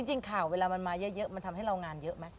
จริงข่าวเวลามันมาเยอะมันทำให้เรางานเยอะไหม